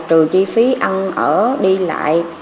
trừ chi phí ăn ở đi lại